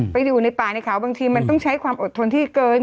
อยู่ในป่าในเขาบางทีมันต้องใช้ความอดทนที่เกิน